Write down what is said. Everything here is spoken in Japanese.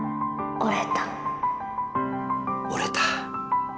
折れた。